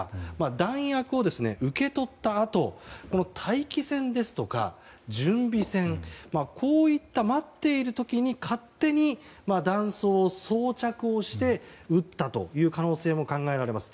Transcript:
弾薬を受け取ったあと待機線ですとか準備線、こういった待っている時に勝手に弾倉を装着して撃ったという可能性も考えられます。